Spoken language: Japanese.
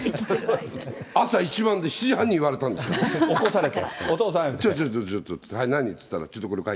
朝一番で７時半に言われたんです起こされて？